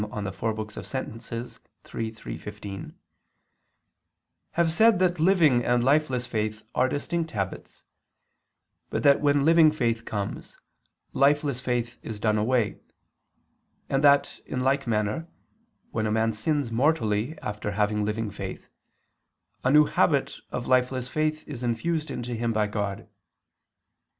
Aur. III, iii, 15] have said that living and lifeless faith are distinct habits, but that when living faith comes, lifeless faith is done away, and that, in like manner, when a man sins mortally after having living faith, a new habit of lifeless faith is infused into him by God.